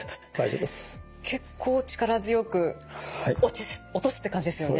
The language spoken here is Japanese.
結構力強く落とすって感じですよね。